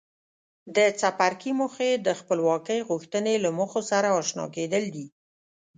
د څپرکي موخې د خپلواکۍ غوښتنې له موخو سره آشنا کېدل دي.